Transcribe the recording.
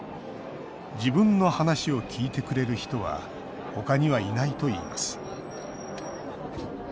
自分の話を聞いてくれる人は他にはいないといいます。